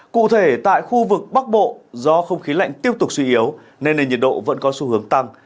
cụ thể tại khu vực bắc bộ do không khí lạnh tiếp tục suy yếu nên nền nhiệt độ vẫn có xu hướng tăng